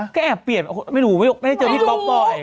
ก็แอบเปลี่ยนไม่รู้ไม่ได้เจอพี่ป๊อปบ่อย